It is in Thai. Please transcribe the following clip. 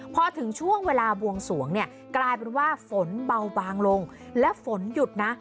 พอถึงช่วงเวลาบวงสวงเนี่ยกลายเป็นว่าฝนเบาบางลงและฝนหยุดนะ